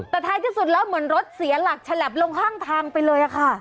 แต่ท้ายที่สุดแล้วเหมือนรถเสียหลักฉลับลงข้างทางไปเลยค่ะ